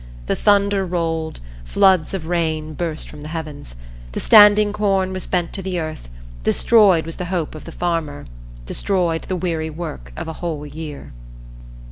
The thunder rolled; floods of rain burst from the heavens. The standing corn was bent to the earth; destroyed was the hope of the farmer; destroyed the weary work of a whole year.